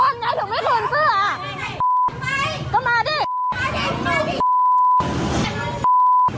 หนังเจ้ากู